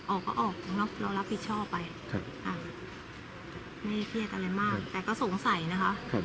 ออกก็ออกเรารับผิดชอบไปไม่เครียดอะไรมากแต่ก็สงสัยนะคะ